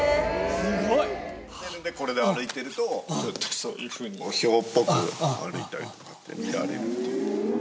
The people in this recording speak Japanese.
すごい！なのでこれで歩いてるとそういうふうにヒョウっぽく歩いたりとかって見られるっていう。